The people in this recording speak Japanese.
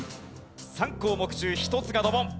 ３項目中１つがドボン。